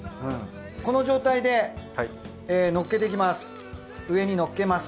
この状態でのっけていきます。